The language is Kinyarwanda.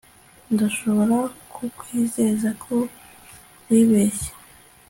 Ndashobora kukwizeza ko wibeshye